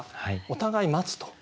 お互い待つと。